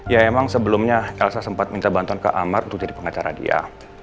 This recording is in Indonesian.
ya emang sebelumnya elsa sempat minta bantuan ke amar untuk jadi pengacara dia